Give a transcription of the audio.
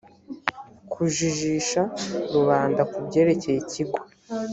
kujijisha rubanda ku byerekeye ikigo